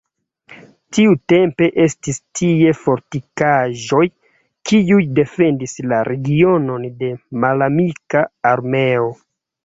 Tiutempe estis tie fortikaĵoj, kiuj defendis la regionon de malamika armeo.